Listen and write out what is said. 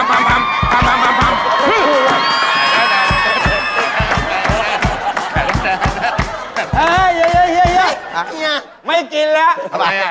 เปล่าป่ะ